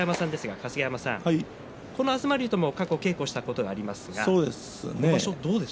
春日山さんはこの東龍とも稽古したことがありますね。